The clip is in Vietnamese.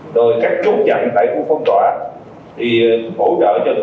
rồi các chốt chặn tại khu phong tỏa thì hỗ trợ cho được